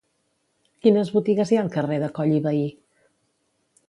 Quines botigues hi ha al carrer de Coll i Vehí?